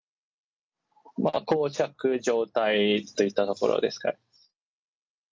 こう着状態といったところですかね。